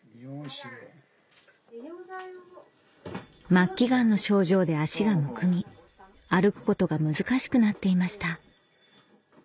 末期がんの症状で脚がむくみ歩くことが難しくなっていました